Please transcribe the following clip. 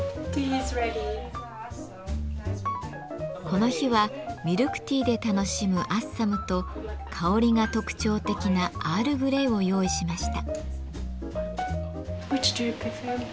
この日はミルクティーで楽しむアッサムと香りが特徴的なアールグレイを用意しました。